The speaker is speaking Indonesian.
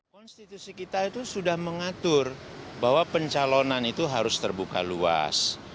konstitusi kita itu sudah mengatur bahwa pencalonan itu harus terbuka luas